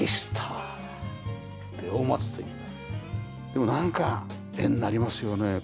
でもなんか絵になりますよね。